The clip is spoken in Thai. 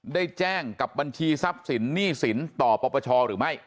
ได้แจ้งกับบัญชีทรัพย์สินหนี้สินต่อปปชหรือไม่